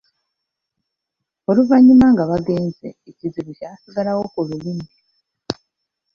Oluvannyuma nga bagenze ekizibu kyasigalawo ku lulimi.